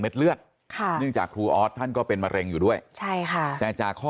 เลือดค่ะเนื่องจากครูออสท่านก็เป็นมะเร็งอยู่ด้วยใช่ค่ะแต่จากข้อ